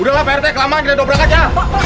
udahlah pak rt kelamaan kita dobrak aja